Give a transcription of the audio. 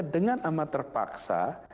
dengan amat terpaksa